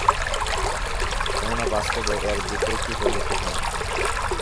কেননা, বাস্তবে এর বিপরীতটিই পরিলক্ষিত হয়।